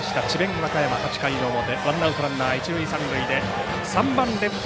和歌山８回表ワンアウトランナー一塁三塁で３番レフト